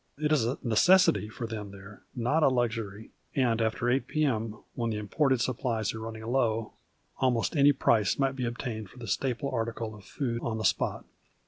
It is a necessity for them there, not a luxury, and after 8 p.m., when the imported supplies are running low, almost any price might be obtained for the staple article of food on the spot.